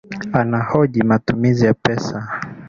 Anahoji matumizi ya pesa